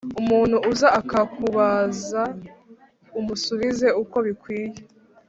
Umuntu uza akakubaza umusubize uko bikwiye.